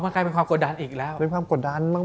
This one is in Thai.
ใครเป็นความกดดันอีกแล้วววววอย่างน้อยมีความกดดันมาก